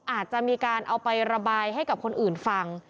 อาจจะมีการเอาไประบายให้กับคนอื่นฟัง